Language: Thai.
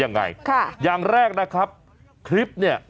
ดูแค่ช่วงแรกเนี่ยมันก็แมม่